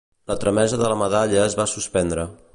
La tramesa de la medalla es va suspendre.